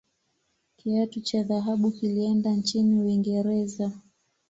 kiatu cha dhahabu kilienda nchini uingereza